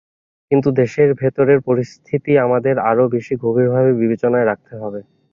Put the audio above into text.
কিন্তু দেশের ভেতরের পরিস্থিতি আমাদের আরও বেশি গভীরভাবে বিবেচনায় রাখতে হবে।